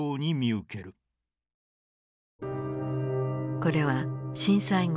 これは震災後